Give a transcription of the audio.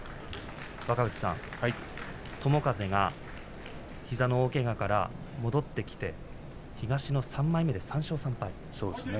若藤さん、友風が膝の大けがから戻ってきて東の３枚目で３勝３敗。